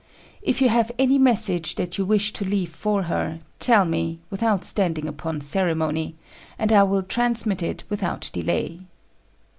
If you have any message that you wish to leave for her, tell me, without standing upon ceremony, and I will transmit it without delay."